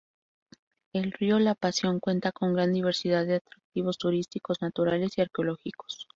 El río La Pasión cuenta con gran diversidad de atractivos turísticos naturales y arqueológicos.